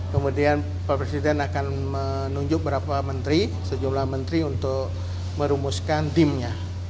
kemudian pak presiden akan menunjuk beberapa menteri sejumlah menteri untuk merumuskan timnya